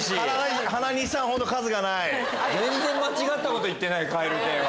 全然間違ったこと言ってない蛙亭は。